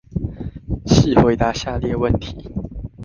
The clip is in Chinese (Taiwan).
試回答下列問題